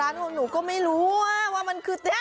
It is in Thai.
ก็เกลียดว่ามันคือจราเข้